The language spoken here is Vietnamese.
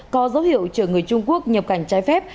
có dấu hiệu chở người trung quốc nhập cảnh trái phép